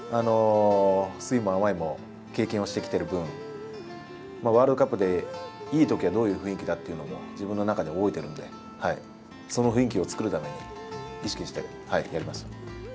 水も甘いも経験をしてきている分、ワールドカップでいいときはどういう雰囲気なのかっていうのは自分の中で覚えているのでその雰囲気を作るために意識してやりました。